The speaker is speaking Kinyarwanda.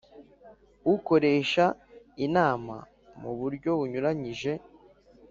Ukoresha inama mu buryo bunyuranyije